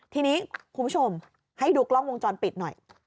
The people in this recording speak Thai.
ทีนี้คุณผู้ชมให้ดูกล้องวงจรปิดหน่อย